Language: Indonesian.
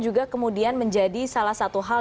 juga kemudian menjadi salah satu hal